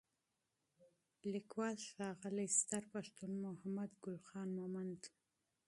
لیکوال: ښاغلی ستر پښتون محمدګل خان مومند